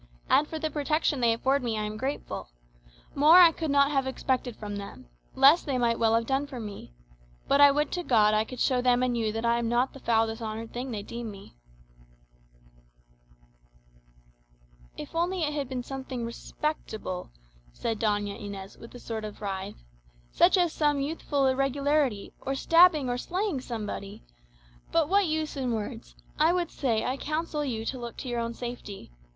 And for the protection they afford me I am grateful. More I could not have expected from them; less they might well have done for me. But I would to God I could show them and you that I am not the foul dishonoured thing they deem me." "If it had only been something respectable," said Doña Inez, with a sort of writhe, "such as some youthful irregularity, or stabbing or slaying somebody! but what use in words? I would say, I counsel you to look to your own safety.